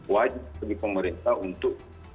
wajib bagi pemerintah untuk